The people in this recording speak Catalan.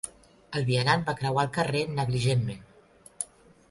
El vianant va creuar el carrer negligentment.